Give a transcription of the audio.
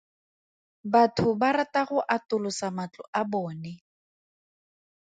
Batho ba rata go atolosa matlo a bone.